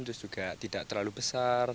terus juga tidak terlalu besar